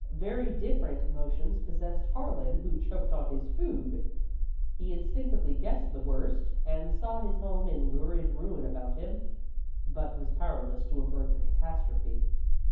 Very different emotions possessed Harlan, who choked on his food. He instinctively guessed the worst, and saw his home in lurid ruin about him, but was powerless to avert the catastrophe.